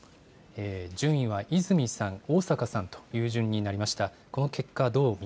順位は泉さん、逢坂さんという順になりました。